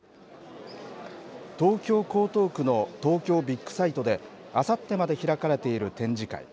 東京・江東区の東京ビッグサイトで、あさってまで開かれている展示会。